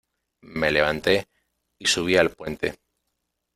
me levanté y subí al puente.